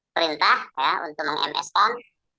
perintah ya untuk meng ms kan